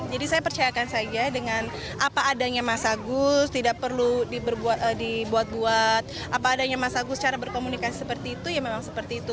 jadi saya percayakan saja dengan apa adanya mas agus tidak perlu dibuat buat apa adanya mas agus cara berkomunikasi seperti itu ya memang seperti itu